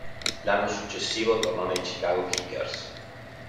L'anno successivo tornò nei Chicago Kickers.